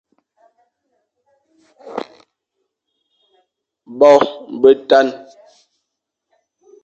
Bô betan,